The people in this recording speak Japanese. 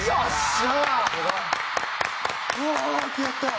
すごい！